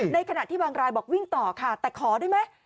ในขณะที่บางรายบอกวิ่งต่อค่ะแต่ขอได้ไหม